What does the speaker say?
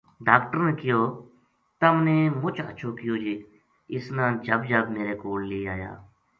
ڈاکٹر نے کہیو:”تم نے مچ ہچھو کیو جے اس نا جھب جھب میرے کول لے آیا